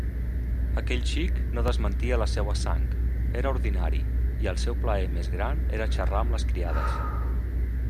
Aquell xic no desmentia la seua sang; era ordinari, i el seu plaer més gran era xarrar amb les criades.